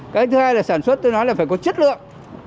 cái thứ hai là sản xuất tôi nói là phải có chất lượng